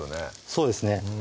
そうですね